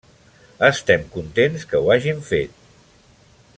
Estem contents que ho hagin fet.